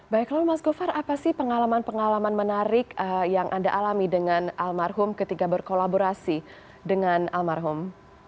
baik lalu mas gofar apa sih pengalaman pengalaman menarik yang anda alami dengan almarhum ketika berkolaborasi dengan almarhum